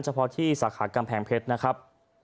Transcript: เพาะที่สาขากำแพงเพชรนะครับ